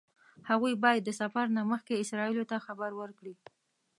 هغوی باید د سفر نه مخکې اسرائیلو ته خبر ورکړي.